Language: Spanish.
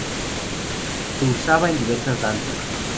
Se usaba en diversas danzas.